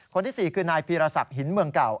คนที่สี่คือนายภีรศัพท์หินเมืองเก่า